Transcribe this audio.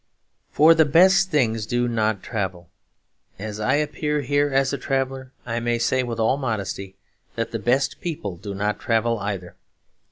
For the best things do not travel. As I appear here as a traveller, I may say with all modesty that the best people do not travel either.